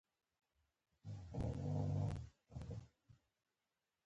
ته بايد مجازات شی